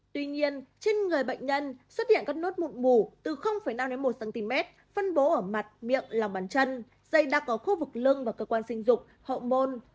tuy nhiên trên người bệnh nhân xuất hiện các nốt mụn mủ từ năm đến một cm phân bố ở mặt miệng lòng bàn chân dây đang ở khu vực lương và cơ quan sinh dục hậu môn